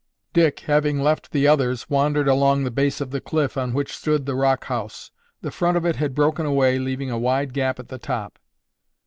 Dick, having left the others, wandered along the base of the cliff on which stood the rock house. The front of it had broken away leaving a wide gap at the top.